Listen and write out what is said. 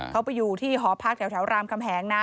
เขาไปอยู่ที่หอพักแถวรามคำแหงนะ